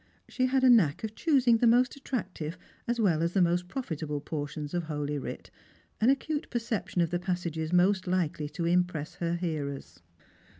She had a knack of choosing the most attractive as well as the most profitable portions of Holy AVrit, an acute perception of the passages most likely to impress her hearers.